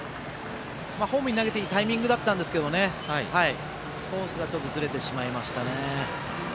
ホームに投げていいタイミングだったんですがコースが、ちょっとずれてしまいましたね。